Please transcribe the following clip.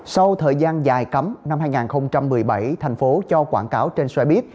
sau thời gian dài cấm năm hai nghìn một mươi bảy thành phố cho quảng cáo trên xoay biếc